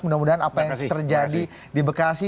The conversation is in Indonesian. mudah mudahan apa yang terjadi di bekasi